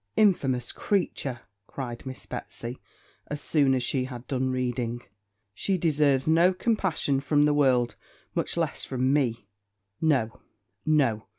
'Infamous creature!' cried Miss Betsy, as soon as she had done reading; 'she deserves no compassion from the world, much less from me. No, no!